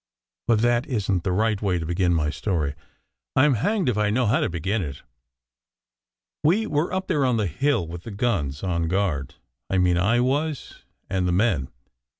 But that isn t the right way to begin my story. I m hanged if I know how to begin it ! We were up there on the hill with the guns, on guard; I mean I was, and the men.